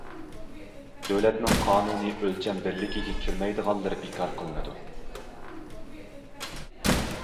دۆلەتنىڭ قانۇنىي ئۆلچەم بىرلىكىگە كىرمەيدىغانلىرى بىكار قىلىنىدۇ.